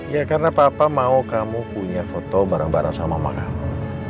ya karena papa mau kamu punya foto bareng bareng sama mama kamu